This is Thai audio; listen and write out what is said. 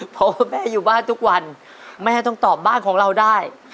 เพราะว่าแม่อยู่บ้านทุกวันแม่ต้องตอบบ้านของเราได้